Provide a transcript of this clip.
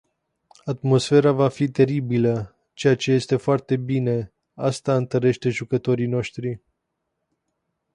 Atmosfera va fi teribilă, ceea ce e foarte bine, asta întărește jucătorii noștri.